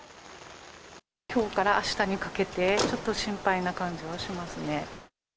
きょうからあしたにかけて、ちょっと心配な感じはしますね。